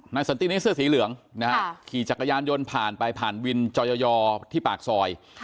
สันตินี้เสื้อสีเหลืองนะฮะขี่จักรยานยนต์ผ่านไปผ่านวินจอยอที่ปากซอย